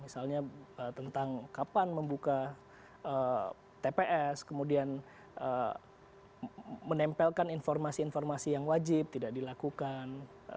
misalnya tentang kapan membuka tps kemudian menempelkan informasi informasi yang wajib tidak dilakukan